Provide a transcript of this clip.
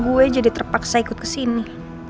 gue jadi terpaksa ikut kesini